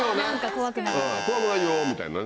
「怖くないよ」みたいなね。